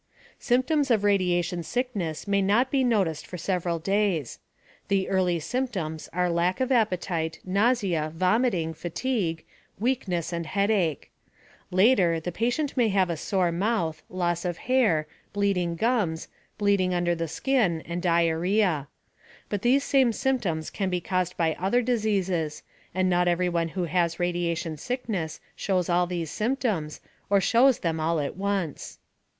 Symptoms of radiation sickness may not be noticed for several days. The early symptoms are lack of appetite, nausea, vomiting, fatigue, weakness and headache. Later, the patient may have sore mouth, loss of hair, bleeding gums, bleeding under the skin, and diarrhea. But these same symptoms can be caused by other diseases, and not everyone who has radiation sickness shows all these symptoms, or shows them all at once.